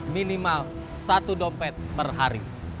minimal satu dompet per hari